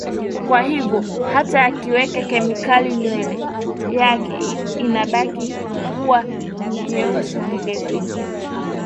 kwa hiyo hata akiweka chemical nywele yake inabaki kuwa nyeusi vile vile